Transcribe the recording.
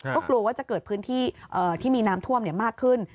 ก็กลัวว่าจะเกิดพื้นที่ที่มีน้ำท่วมมากขึ้น